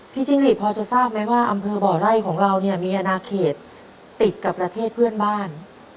จิ้งหลีดพอจะทราบไหมว่าอำเภอบ่อไร่ของเราเนี่ยมีอนาเขตติดกับประเทศเพื่อนบ้าน